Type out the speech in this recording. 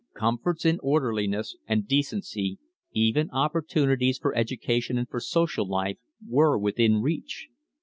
Comforts and orderliness and decency, even opportunities for education and for social life, were within reach.